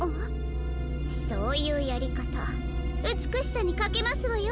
そういうやりかたうつくしさにかけますわよ